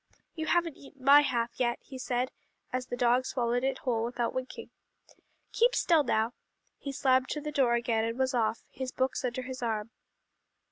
"You haven't eaten my half yet," he said as the dog swallowed it whole without winking. "Keep still now." He slammed to the door again, and was off, his books under his arm.